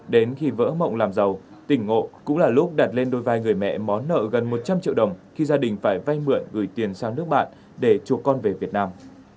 đến khi vỡ mộng làm giàu tỉnh ngộ cũng là lúc đặt lên đôi vai người mẹ món nợ gần một trăm linh triệu đồng khi gia đình phải vay mượn gửi tiền sang nước bạn để chùa con về việt nam